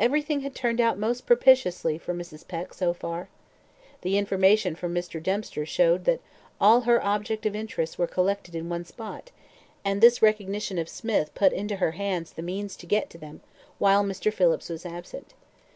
Everything had turned out most propitiously for Mrs. Peck, so far. The information from Mr. Dempster showed that all her objects of interest were collected in one spot, and this recognition of Smith put into her hands the means to get to them while Mr. Phillips was absent.